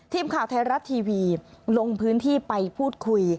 ทีมข่าวไทยรัฐทีวีลงพื้นที่ไปพูดคุย